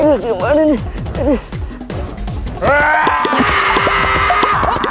itu temen gua